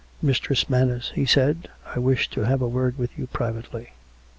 " Mistress Manners," he said, " I wish to have a word with you privately."